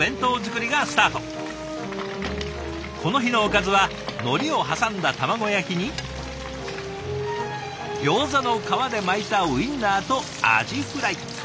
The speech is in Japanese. この日のおかずはのりを挟んだ卵焼きにギョーザの皮で巻いたウインナーとアジフライ。